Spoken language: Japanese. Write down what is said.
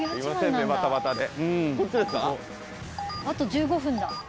あと１５分だ。